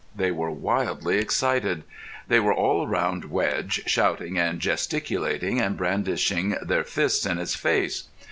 They were wildly excited. They were all round Wedge, shouting and gesticulating and brandishing their fists in his face.